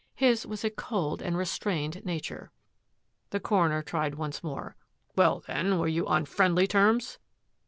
His was a cold and restrained na ture." The coroner tried once more. "Well, then, were you on friendly terms?